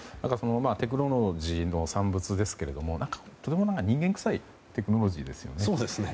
テクノロジーの産物ですけどもとても人間臭いテクノロジーですよね。